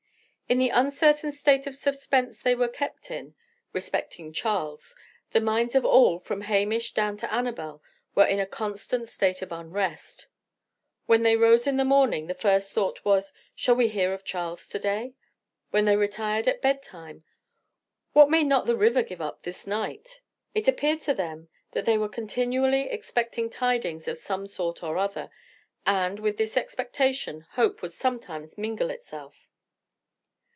In the uncertain state of suspense they were kept in, respecting Charles, the minds of all, from Hamish down to Annabel, were in a constant state of unrest. When they rose in the morning the first thought was, "Shall we hear of Charles to day?" When they retired at bedtime, "What may not the river give up this night?" It appeared to them that they were continually expecting tidings of some sort or other; and, with this expectation, hope would sometimes mingle itself.